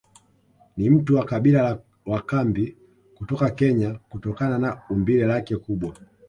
Ni mtu wa kabila la wakambi kutoka Kenya kutokana na umbile lake kubwa